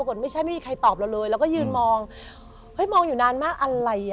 คุณพ่อเป็นฆาตราชการอยู่ที่สัตหีพ